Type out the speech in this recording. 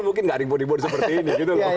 mungkin tidak dibuat bua seperti ini